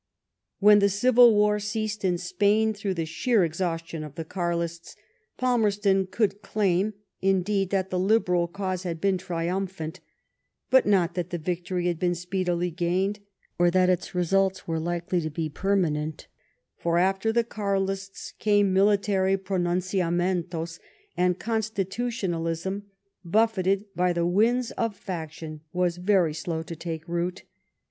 When civil war ceased in Spain through the sheer exhaustion of the Carlists, Palmerston could claim, indeed, that the Liberal cause had been trium phant, but not that the victory had been speedily gained or that its results were likely to be permanent ; for after the Carlists came military pronunciamientos, and Con stitutionalism, buffeted by the winds of faction, was very slow to take root.